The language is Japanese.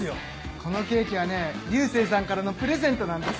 このケーキはね流星さんからのプレゼントなんです。